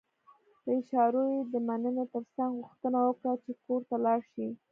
په اشارو يې د مننې ترڅنګ غوښتنه وکړه چې کور ته لاړ شي.